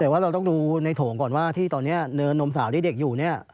แต่ว่าเราต้องดูในโถงก่อนว่าที่ตอนนี้เนินนมสาวที่เด็กอยู่เนี่ย